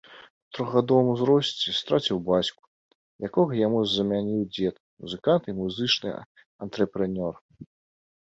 У трохгадовым узросце страціў бацьку, якога яму замяніў дзед, музыкант і музычны антрэпрэнёр.